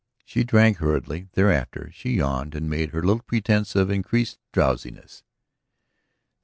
She drank hurriedly. Thereafter she yawned and made her little pretense of increased drowsiness.